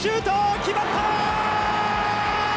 決まった！